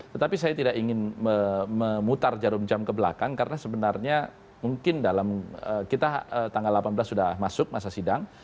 tetapi saya tidak ingin memutar jarum jam ke belakang karena sebenarnya mungkin dalam kita tanggal delapan belas sudah masuk masa sidang